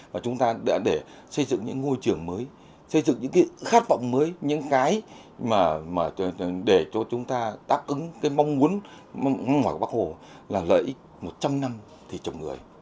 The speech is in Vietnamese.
và chúng ta đã để xây dựng những ngôi trường mới xây dựng những cái khát vọng mới những cái để cho chúng ta tác ứng cái mong muốn ngoài bắc hồ là lợi ích một trăm linh năm thì chồng người